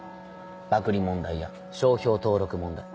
パクリ問題や商標登録問題。